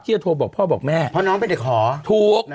จะโทรบอกพ่อบอกแม่เพราะน้องเป็นเด็กหอถูก